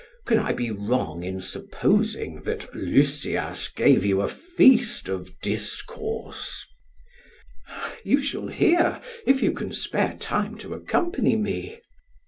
Can I be wrong in supposing that Lysias gave you a feast of discourse? PHAEDRUS: You shall hear, if you can spare time to accompany me.